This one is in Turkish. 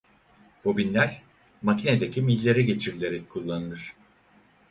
Bobinler makinedeki millere geçirilerek kullanılır.